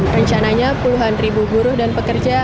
rencananya puluhan ribu buruh dan pekerja